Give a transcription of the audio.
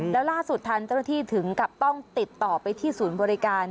แล้วล่าสุดทันเจ้าหน้าที่ถึงกับต้องติดต่อไปที่ศูนย์บริการ